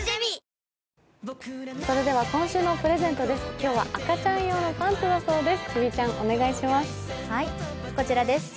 今日は赤ちゃん用のパンツだそうです。